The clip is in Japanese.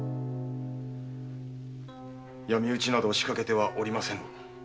闇討ちなど仕掛けてはおりませぬ。